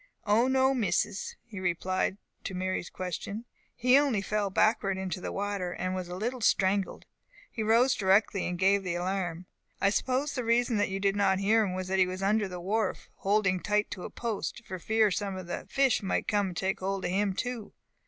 "O, no, Misses," he replied to Mary's question. "He only fell backward into the water, and was a little strangled. He rose directly, and gave the alarm. I suppose the reason that you did not hear him was that he was under the wharf, holding tight to a post, for fear some of the fish might come and take hold of him too.